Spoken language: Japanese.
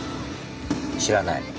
「知らない。